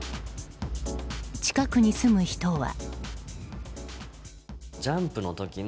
近くに住む人は。